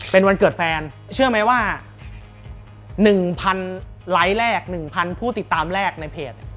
เป็นวันเกิดแฟนเชื่อไหมว่า๑๐๐ไลค์แรก๑๐๐ผู้ติดตามแรกในเพจ